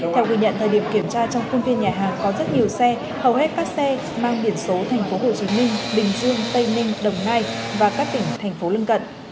theo quy nhận thời điểm kiểm tra trong khuôn phiên nhà hàng có rất nhiều xe hầu hết các xe mang biển số thành phố hồ chí minh bình dương tây ninh đồng nai và các tỉnh thành phố lưng cận